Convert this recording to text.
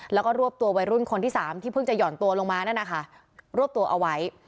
แล้วก็รวบตัววัยรุ่นคนที่สามที่เพิ่งจะห่อนตัวลงมานั่นนะคะรวบตัวเอาไว้